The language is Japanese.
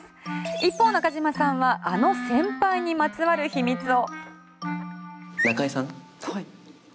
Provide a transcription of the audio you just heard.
一方、中島さんはあの先輩にまつわる秘密を。